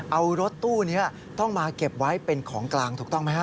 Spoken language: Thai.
เอารถตู้นี้ต้องมาเก็บไว้เป็นของกลางถูกต้องไหมฮะ